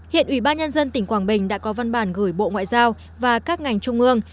hiện ủy ban nhân dân tỉnh quảng bình đã có văn bản gửi bộ ngoại giao và các ngành trung ương